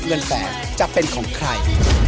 เงินแสนจะมีใคร